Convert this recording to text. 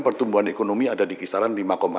pertumbuhan ekonomi ada di kisaran lima dua